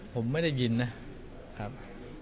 ผมไม่ได้ยินนะครับ